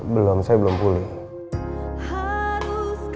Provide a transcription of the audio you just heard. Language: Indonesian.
belum sayang belum pulih